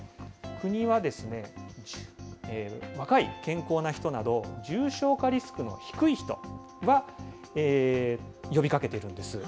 国は若い健康な人など、重症化リスクの低い人が呼びかけているんです。